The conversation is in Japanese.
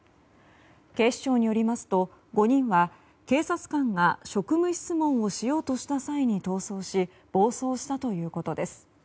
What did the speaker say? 警視庁によりますと５人は、警察官が職務質問をしようとした際に逃走し暴走したということです。